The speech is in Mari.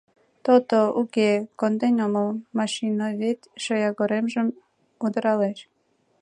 — То-то, уке, конден омыл, — машиновед шоягоремжым удыралеш.